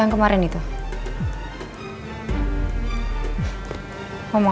dalam suatu kakak